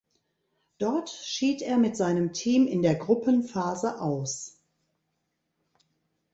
Dort schied er mit seinem Team in der Gruppenphase aus.